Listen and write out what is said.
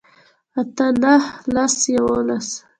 اتۀ نهه لس يوولس